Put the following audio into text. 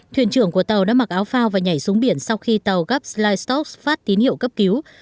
thuyền trưởng của tàu đã mặc áo phao và nhảy xuống biển sau khi tàu gấp lightock phát tín hiệu cấp cứu